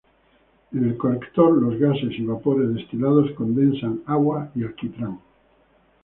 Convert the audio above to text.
En el colector, los gases y vapores destilados condensan agua y alquitrán.